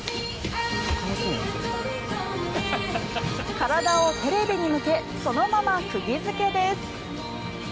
体をテレビに向けそのまま釘付けです。